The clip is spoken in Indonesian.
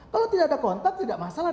kalau tidak ada kontak tidak masalah